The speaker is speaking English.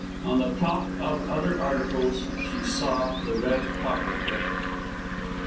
On the top of other articles she saw the red pocket book.